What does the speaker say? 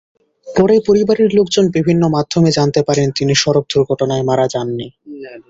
পরে পরিবারের লোকজন বিভিন্ন মাধ্যমে জানতে পারেন, তিনি সড়ক দুর্ঘটনায় মারা যাননি।